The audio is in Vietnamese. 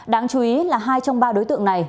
đáng chú ý là hai trong ba đối tượng này